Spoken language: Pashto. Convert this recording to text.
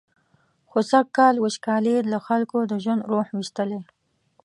خو سږکال وچکالۍ له خلکو د ژوند روح ویستلی.